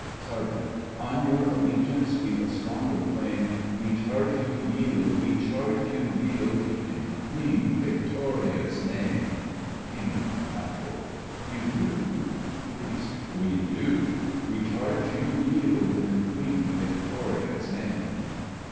SERGEANT: On your allegiance we've a stronger claim. We charge you yield, we charge you yield, In Queen Victoria's name! KING: (baffled) You do? POLICE: We do! We charge you yield, In Queen Victoria's name!